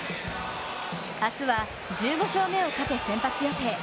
明日は１５勝目をかけ、先発予定。